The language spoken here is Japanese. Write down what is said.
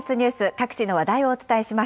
各地の話題をお伝えします。